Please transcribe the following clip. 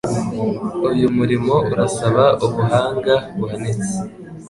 Uyu murimo urasaba ubuhanga buhanitse.